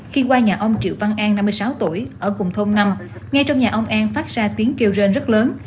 khi qua nhà ông triệu văn an năm mươi sáu tuổi ở cùng thôn năm ngay trong nhà ông an phát ra tiếng kêu rên rất lớn